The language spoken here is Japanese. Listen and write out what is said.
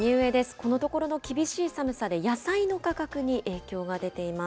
このところの厳しい寒さで、野菜の価格に影響が出ています。